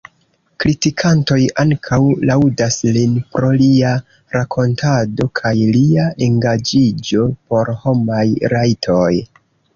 Kritikantoj ankaŭ laŭdas lin pro lia rakontado kaj lia engaĝiĝo por homaj rajtoj.